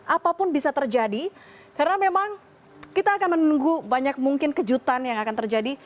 apapun bisa terjadi karena memang kita akan menunggu banyak mungkin kejutan yang akan terjadi